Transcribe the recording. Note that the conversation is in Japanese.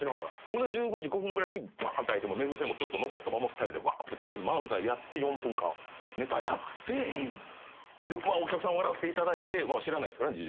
ほんで１５時５分ぐらいに開いて寝癖もちょっと残ったまま２人でわって漫才やって４分間ネタやってお客さん笑っていただいてまあ知らないですからね。